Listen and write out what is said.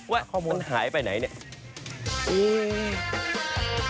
ว่ามันหายไปไหนเนี้ย